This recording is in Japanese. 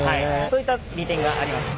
そういった利点があります。